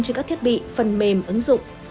trên các thiết bị phần mềm ứng dụng